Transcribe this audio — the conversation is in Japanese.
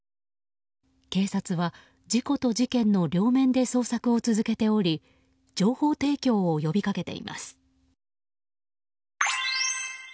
警察は、事故と事件の両面で捜索を続けており情報提供を呼び掛けています。